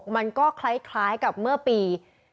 มันก็คล้ายกับเมื่อปี๒๕๖